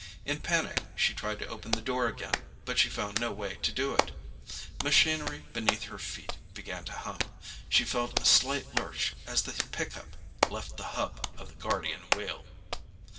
In panic she tried to open the door again, but she found no way to do it. Machinery beneath her feet began to hum. She felt a slight lurch as the pickup left the hub of the Guardian Wheel.